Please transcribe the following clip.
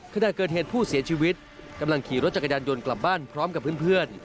ขณะเกิดเหตุผู้เสียชีวิตกำลังขี่รถจักรยานยนต์กลับบ้านพร้อมกับเพื่อน